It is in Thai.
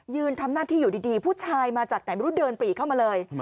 ทำหน้าที่อยู่ดีผู้ชายมาจากไหนไม่รู้เดินปรีเข้ามาเลย